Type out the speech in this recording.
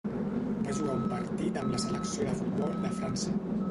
Va jugar un partit amb la selecció de futbol de França.